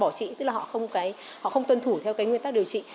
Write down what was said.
bỏ trị tức là họ không tuân thủ theo cái nguyên tắc điều trị